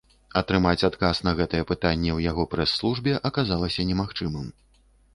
Атрымаць адказ на гэтае пытанне ў яго прэс-службе аказалася немагчымым.